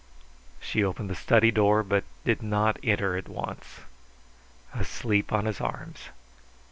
She opened the study door, but did not enter at once. Asleep on his arms.